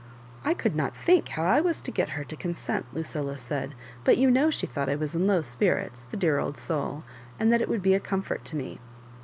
"I could not think how I was to get her to con sent," Lucilla, said, but you know she thought I was in low spirits, the dear old soul, and that it would be a conifort to me."